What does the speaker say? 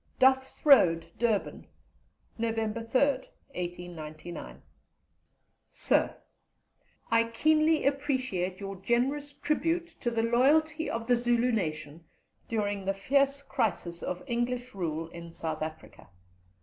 "Duff's Road, Durban, November 3rd, 1899. Sir, I keenly appreciate your generous tribute to the loyalty of the Zulu nation during the fierce crisis of English rule in South Africa.